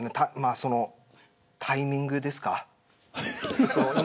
そのタイミングですか。